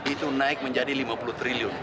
itu naik menjadi lima puluh triliun